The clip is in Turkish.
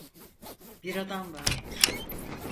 Bir adam var.